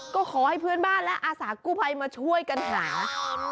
ก็ขอให้เพื่อนบ้านและอาสากู้ภัยมาช่วยกันหา